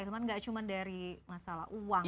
ilman gak cuma dari masalah uang ya